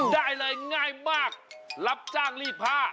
ได้เลยง่ายมากรับจ้างรีดผ้า